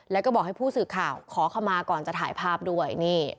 แล้วก็บอกให้ผู้สื่อข่าวขอเข้ามาก่อนจะถ่ายภาพด้วย